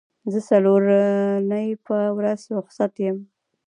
زه د څلورنۍ په ورځ روخصت یم